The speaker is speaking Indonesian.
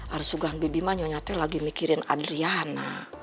harus juga bibi mah nyonya tadi lagi mikirin adriana